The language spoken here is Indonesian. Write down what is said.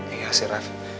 iya sih ref